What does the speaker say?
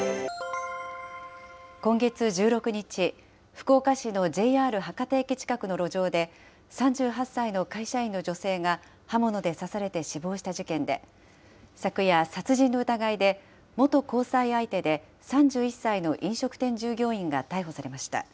今月１６日、福岡市のＪＲ博多駅近くの路上で、３８歳の会社員の女性が刃物で刺されて死亡した事件で、昨夜、殺人の疑いで、元交際相手で３１歳の飲食店従業員が逮捕されました。